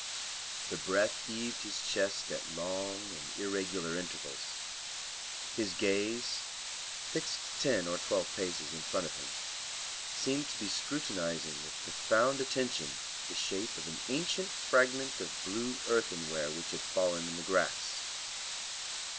The breath heaved his chest at long and irregular intervals. His gaze, fixed ten or twelve paces in front of him, seemed to be scrutinizing with profound attention the shape of an ancient fragment of blue earthenware which had fallen in the grass.